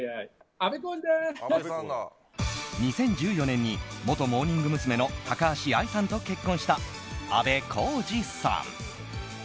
２０１４年に元モーニング娘。の高橋愛さんと結婚した、あべこうじさん。